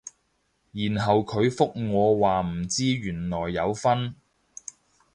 然後佢覆我話唔知原來有分